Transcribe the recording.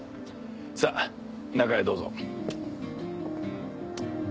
さぁ中へどうぞ。